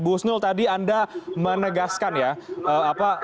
bu husnul tadi anda menegaskan ya